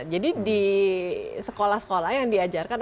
jadi di sekolah sekolah yang diajarkan